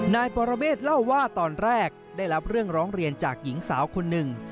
นายปรเมฆเล่าว่าตอนแรกได้รับเรื่องร้องเรียนจากหญิงสาวคนหนึ่ง